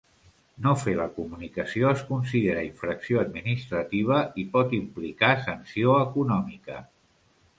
No fer la comunicació es considera infracció administrativa i pot implicar sanció econòmica.